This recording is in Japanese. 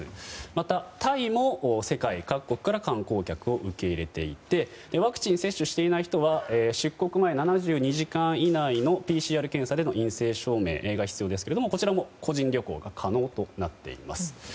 また、タイも世界各国から観光客を受け入れていてワクチン接種していない人は出国前７２時間以内のＰＣＲ検査での陰性証明が必要ですがこちらも個人旅行が可能となっています。